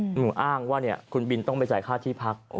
หนูอ้างว่าคุณบินต้องไปจ่ายค่าที่พัก